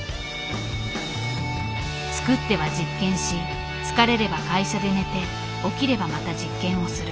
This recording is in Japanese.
作っては実験し疲れれば会社で寝て起きればまた実験をする。